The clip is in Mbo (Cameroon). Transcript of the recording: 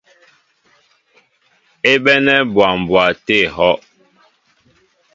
É bénɛ̂ mbwa mbwa tê ehɔ́’.